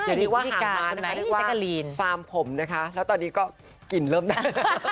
อันนี้ว่าฮาร์มมันนะคะเรียกว่าฟาร์มผมนะคะแล้วตอนนี้ก็กลิ่นเริ่มได้